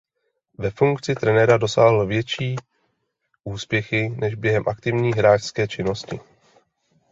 Ve funkci trenéra dosáhl větší úspěchy než během aktivní hráčské činnosti.